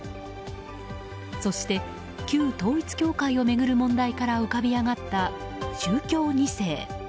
そして、旧統一教会を巡る問題から浮かび上がった宗教２世。